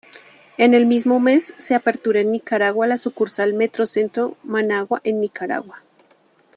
En el mismo mes se apertura en Nicaragua la sucursal Metrocentro Managua en Nicaragua.